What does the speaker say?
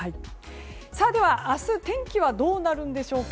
では明日、天気はどうなるんでしょうか。